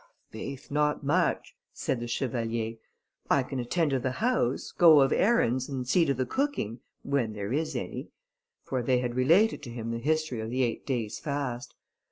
"Faith, not much," said the chevalier. "I can attend to the house, go of errands, and see to the cooking, when there is any," for they had related to him the history of the eight days' fast.